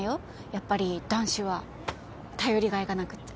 やっぱり男子は頼りがいがなくっちゃ。